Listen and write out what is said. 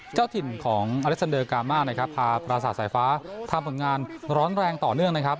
เจ้าถิ่นของอเล็กซันเดอร์กามานะครับพาประสาทสายฟ้าทำผลงานร้อนแรงต่อเนื่องนะครับ